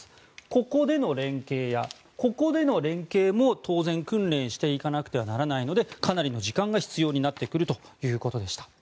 ここでの連携やここでの連携も当然、訓練していかなくてはならないのでかなりの時間が必要になってくるということでした。